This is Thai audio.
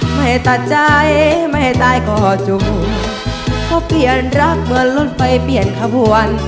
ไม่ให้ตาใจไม่ให้ตายก็ดูเขาเปลี่ยนรักเหมือนรถไปเปลี่ยนข้าวหวน